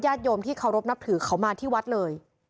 โยมที่เคารพนับถือเขามาที่วัดเลย